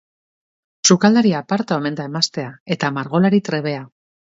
Sukaldari aparta omen da emaztea eta margolari trebea.